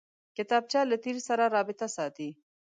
کتابچه له تېر سره رابطه ساتي